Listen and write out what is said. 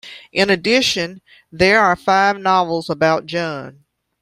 In addition, there are five novels about John.